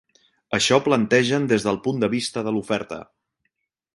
Això plantegen des del punt de vista de l’oferta.